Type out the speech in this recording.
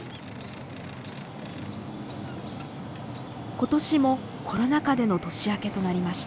ことしもコロナ禍での年明けとなりました。